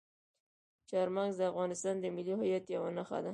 چار مغز د افغانستان د ملي هویت یوه نښه ده.